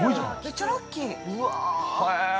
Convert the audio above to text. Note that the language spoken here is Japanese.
◆めっちゃラッキー。